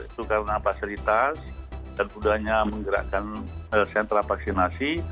itu karena fasilitas dan mudahnya menggerakkan sentra vaksinasi